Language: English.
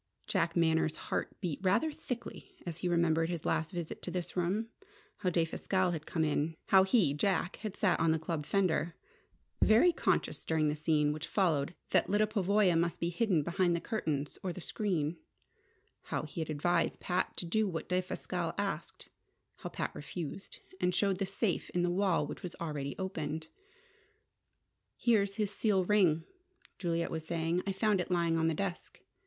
Jack Manners' heart beat rather thickly as he remembered his last visit to this room: how Defasquelle had come in; how he, Jack, had sat on the club fender, very conscious during the scene which followed that Lyda Pavoya must be hidden behind the curtains or the screen; how he had advised Pat to do what Defasquelle asked; how Pat refused, and showed the safe in the wall which was already open. "Here's his seal ring," Juliet was saying. "I found it lying on the desk.